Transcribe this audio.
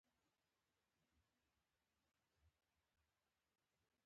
هیڅ کوم باشعوره څوک نشي رد کولای.